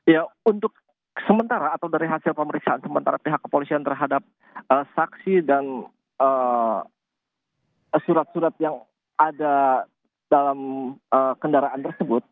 ya untuk sementara atau dari hasil pemeriksaan sementara pihak kepolisian terhadap saksi dan surat surat yang ada dalam kendaraan tersebut